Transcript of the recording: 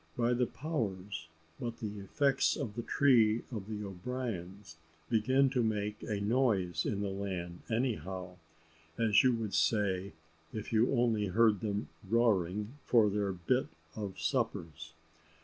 By the powers, but the effects of the tree of the O'Briens begin to make a noise in the land, anyhow, as you would say if you only heard them roaring for their bit of suppers.